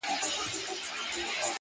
ورو په ورو د لېوه خواته ور نیژدې سو٫